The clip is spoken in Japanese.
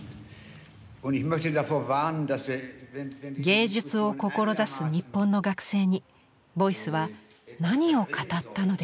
芸術を志す日本の学生にボイスは何を語ったのでしょうか。